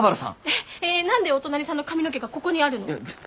えっ何でお隣さんの髪の毛がここにあるの？